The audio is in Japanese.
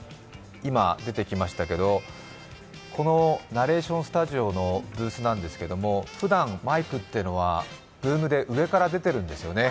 今、出てきましたけどこのナレーションスタジオのブースなんですけれども、ふだん、マイクってのは上から出てるんですよね。